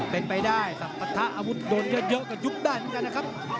เป็นไปได้สัมปัตภะอาวุธโดนเยอะเยอะกว่ายุคด้านก็ได้นะครับ